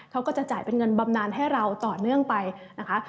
เขาก็จะจ่ายเป็นเงินบำนานให้เราต่อเนื่องไปนะคะ